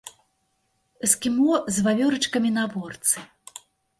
Эскімо з вавёрачкамі на абгортцы.